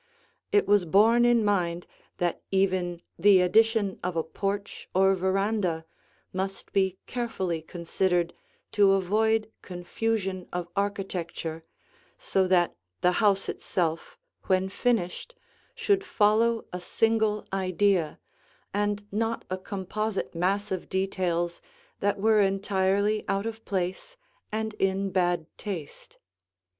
It was borne in mind that even the addition of a porch or veranda must be carefully considered to avoid confusion of architecture so that the house itself, when finished, should follow a single idea and not a composite mass of details that were entirely out of place and in bad taste.